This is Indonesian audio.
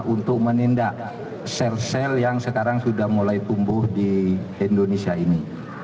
untuk menindak sel sel yang sekarang sudah mulai tumbuh di indonesia ini